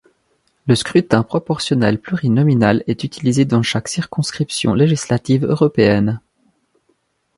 Le scrutin proportionnel plurinominal est utilisé dans chaque circonscriptions législatives européennes.